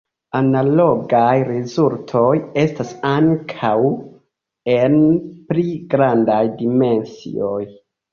Analogaj rezultoj estas ankaŭ en pli grandaj dimensioj.